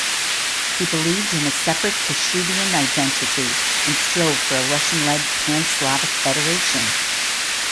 He believed in a separate Kashubian identity and strove for a Russian-led pan-Slavic federation.